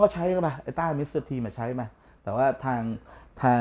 ฟังแล้วเมื่อกี๊เรามีว่าอย่างใคร